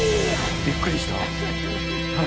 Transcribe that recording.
びっくりした。